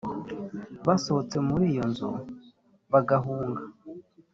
basohotse muri iyo nzu bagahunga